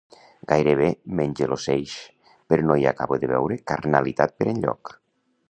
Gairebé m'engeloseix, però no hi acabo de veure carnalitat per enlloc.